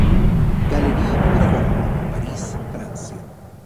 Galerie Du Dragon, París, Francia.